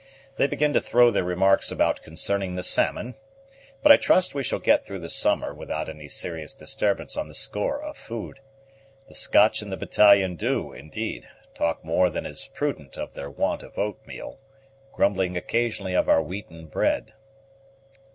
They begin to throw their remarks about concerning the salmon, but I trust we shall get through the summer without any serious disturbance on the score of food. The Scotch in the battalion do, indeed, talk more than is prudent of their want of oatmeal, grumbling occasionally of our wheaten bread."